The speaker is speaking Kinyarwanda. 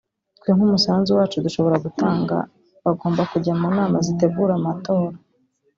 twe nk’umusanzu wacu dushobora gutanga bagomba kujya mu nama zitegura amatora